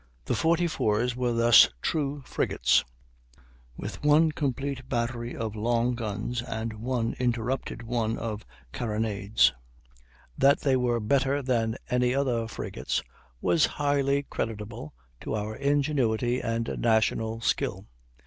The 44's were thus true frigates, with one complete battery of long guns and one interrupted one of carronades. That they were better than any other frigates was highly creditable to our ingenuity and national skill.